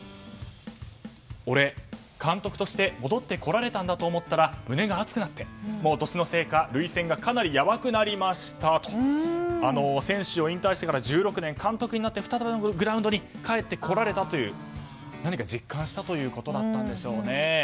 俺、監督として戻ってこられたんだと思ったら胸が熱くなって、年のせいか涙腺がかなりやばくなりましたと選手を引退してから１６年監督になって再びグラウンドに帰ってこられたという何か実感したということだったんでしょうね。